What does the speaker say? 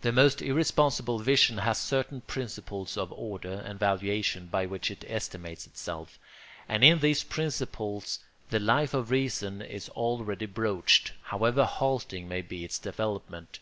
The most irresponsible vision has certain principles of order and valuation by which it estimates itself; and in these principles the Life of Reason is already broached, however halting may be its development.